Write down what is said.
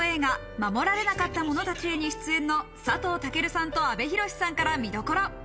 『護られなかった者たちへ』に出演の佐藤健さんと阿部寛さんから見どころ。